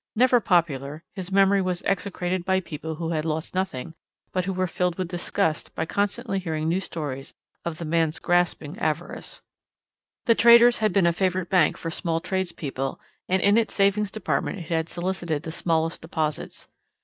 Never popular, his memory was execrated by people who had lost nothing, but who were filled with disgust by constantly hearing new stories of the man's grasping avarice. The Traders' had been a favorite bank for small tradespeople, and in its savings department it had solicited the smallest deposits.